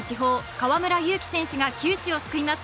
河村勇輝選手が窮地を救います。